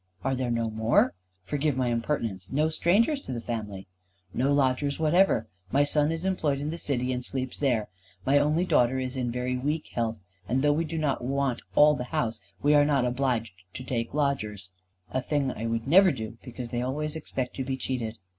"Are there no more? Forgive my impertinence. No strangers to the family?" "No lodgers whatever. My son is employed in the City, and sleeps there. My only daughter is in very weak health, and though we do not want all the house, we are not obliged to take lodgers. A thing I never would do, because they always expect to be cheated."